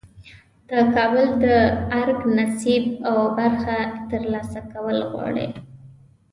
د کابل د ارګ نصیب او برخه ترلاسه کول غواړي.